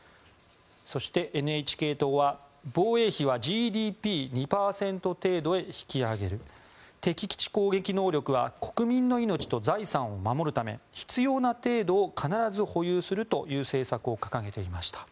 そしてＮＨＫ党は、防衛費はＧＤＰ２％程度へ引き上げる敵基地攻撃能力は国民の命と財産を守るため必要な程度を必ず保有するという政策を掲げていました。